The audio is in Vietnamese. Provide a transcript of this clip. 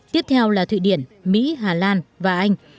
tiếp theo là thụy điển mỹ hà lan và anh